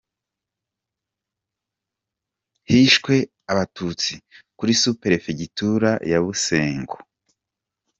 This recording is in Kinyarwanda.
Hishwe Abatutsi kuri Superefegitura ya Busengo.